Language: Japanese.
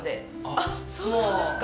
あっそうなんですか。